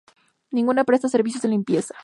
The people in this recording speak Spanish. Ninguna presta servicios de limpieza.